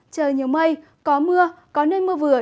trời nhiều mây có mưa có nơi mưa vừa